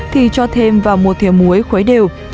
thì cho thêm vào một thịa muối khuấy đều